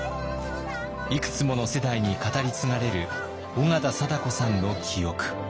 いくつもの世代に語り継がれる緒方貞子さんの記憶。